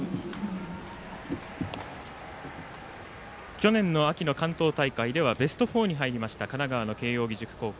去年の秋の関東大会ではベスト４に入りました神奈川の慶応義塾高校。